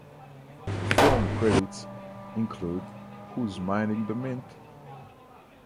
Her film credits include Who's Minding the Mint?